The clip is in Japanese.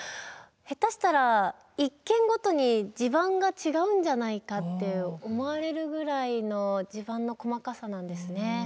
下手したら一軒ごとに地盤が違うんじゃないかって思われるぐらいの地盤の細かさなんですね。